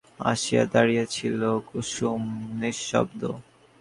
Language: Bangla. নিঃশব্দ পদে কুসুম যে কখন পিছনে আসিয়া দাড়াইয়াছিল!